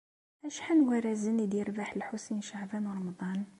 Acḥal n warrazen ay d-yerbeḥ Lḥusin n Caɛban u Ṛemḍan?